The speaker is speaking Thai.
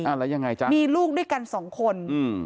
แล้วยังไงจ๊ะมีลูกด้วยกันสองคนอืม